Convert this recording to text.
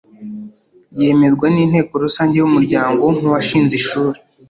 Yemerwa n’Inteko Rusange y’umuryango nk’uwashinze ishuri